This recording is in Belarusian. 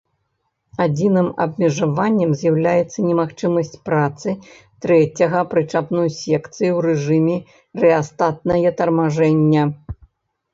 Адзіным абмежаваннем з'яўляецца немагчымасць працы трэцяга прычапной секцыі ў рэжыме рэастатнае тармажэння.